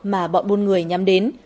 mà bọn buôn người nhắm đến